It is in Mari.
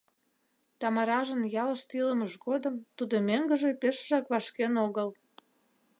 Тамаражын ялыште илымыж годым тудо мӧҥгыжӧ пешыжак вашкен огыл.